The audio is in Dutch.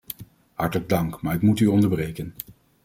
Hartelijk dank, maar ik moet u onderbreken.